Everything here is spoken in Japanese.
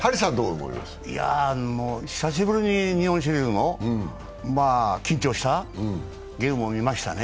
もう久しぶりに日本シリーズの緊張したゲームを見ましたね。